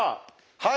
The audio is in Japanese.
はい。